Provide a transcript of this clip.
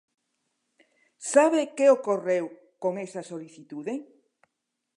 ¿Sabe que ocorreu con esa solicitude?